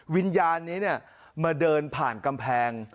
วิญญาณนี้มาเดินผ่านกำแพง